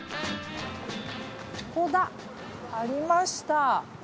ここだありました。